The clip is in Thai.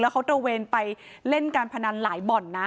เขาตระเวนไปเล่นการพนันหลายบ่อนนะ